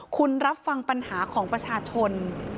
คุณรับฟังปัญหาของประชาชน